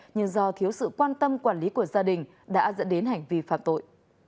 nhưng do thiếu sự quan tâm quản lý của gia đình đã dẫn đến hành vi phạm tội